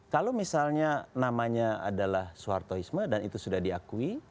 kalau misalnya namanya adalah soehartoisme dan itu sudah diakui